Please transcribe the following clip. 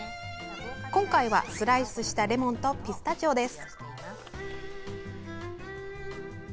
今回はスライスしたレモンとピスタチオです。